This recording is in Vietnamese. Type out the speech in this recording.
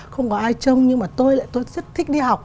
không có ai trông nhưng mà tôi lại tôi rất thích đi học